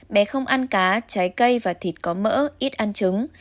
bé không ăn cá trái cây và thịt có mỡ ít ăn trứng